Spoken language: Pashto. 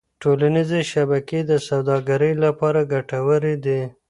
ټولنيزې شبکې د سوداګرۍ لپاره ګټورې دي.